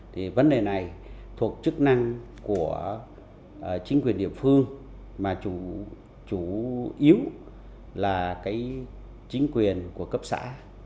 thì vấn đề này thuộc chức năng của chính quyền địa phương mà chủ yếu là cái chính quyền của cấp xã